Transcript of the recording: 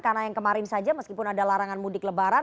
karena yang kemarin saja meskipun ada larangan mudik lebaran